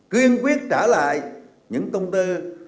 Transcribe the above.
và quyết trả lại những công tơ